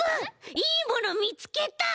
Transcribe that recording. いいものみつけた！